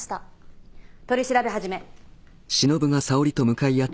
取り調べ始め。